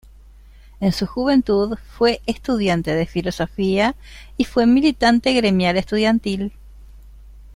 En su juventud fue estudiante de filosofía y fue militante gremial estudiantil.